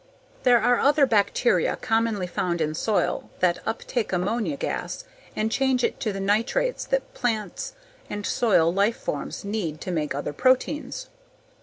There are other bacteria commonly found in soil that uptake ammonia gas and change it to the nitrates that plants and soil life forms need to make other proteins.